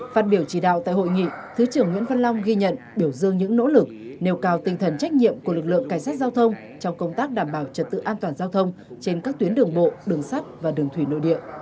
phát biểu chỉ đạo tại hội nghị thứ trưởng nguyễn văn long ghi nhận biểu dương những nỗ lực nêu cao tinh thần trách nhiệm của lực lượng cảnh sát giao thông trong công tác đảm bảo trật tự an toàn giao thông trên các tuyến đường bộ đường sắt và đường thủy nội địa